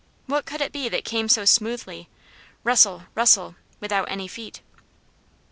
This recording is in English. What could it be that came so smoothly, rustle rustle without any feet?